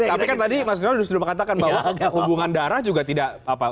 tapi kan tadi maksudnya sudah sudah mengatakan bahwa hubungan darah juga tidak apa